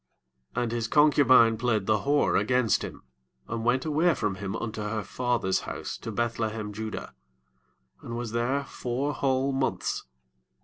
2 And his concubine played the whore against him, and went away from him unto her father's house to Beth–lehem–judah, and was there four whole months.